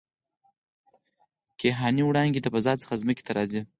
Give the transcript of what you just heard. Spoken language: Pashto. کیهاني وړانګې د فضا څخه ځمکې ته راځي.